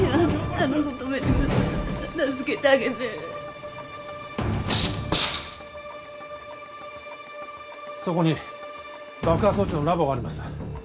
あの子止めて助けてあげてそこに爆破装置のラボがあります